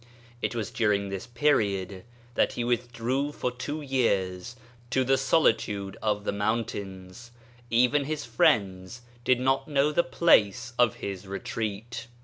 It was during this period that he withdrew for two years to the solitude of the mountains : even his friends did not know the place of his retreat.